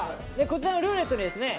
こちらのルーレットにですね